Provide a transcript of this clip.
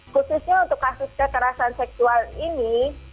khususnya untuk kasus kekerasan seksual ini